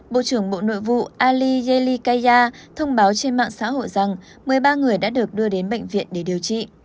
bộ trưởng bộ nội vụ ali jeri kaya thông báo trên mạng xã hội rằng một mươi ba người đã được đưa đến bệnh viện để điều trị